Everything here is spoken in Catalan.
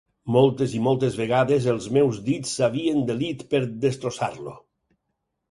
Moltes i moltes vegades els meus dits s'havien delit per destrossar-lo.